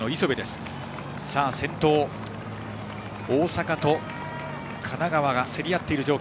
先頭、大阪と神奈川が競り合っている状況。